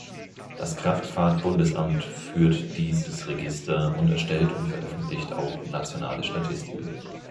Das Kraftfahrt-Bundesamt führt dieses Register und erstellt und veröffentlicht auch nationale Statistiken.